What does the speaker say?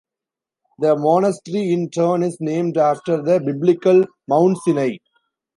The monastery in turn is named after the Biblical Mount Sinai.